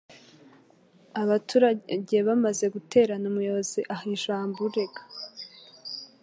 Abaturage bamaze guterana, umuyobozi aha ijambo urega